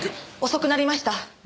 遅くなりました。